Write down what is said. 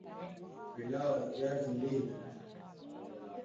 Pilau ya viazi mbili